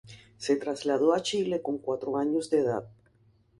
Se trasladó a Chile con cuatro años de edad.